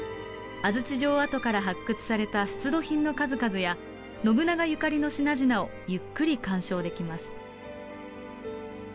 安土城跡から発掘された出土品の数々や信長ゆかりの品々をゆっくり鑑賞できます。